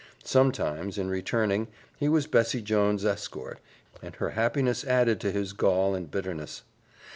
Sometimes, in returning, he was Bessie Jones' escort, and her happiness added to his gall and bitterness.